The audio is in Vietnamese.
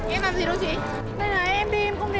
em làm gì đâu chị